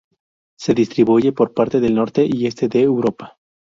Se distribuye por parte del norte y este de Europa.